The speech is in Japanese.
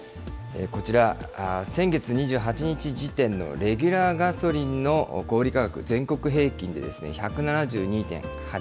こちら、先月２８日時点のレギュラーガソリンの小売り価格、全国平均で１７２．８円。